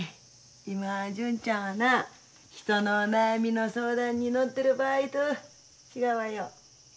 今純ちゃんはな人の悩みの相談に乗ってる場合と違わよ。